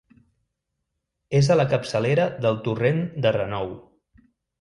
És a la capçalera del torrent de Renou.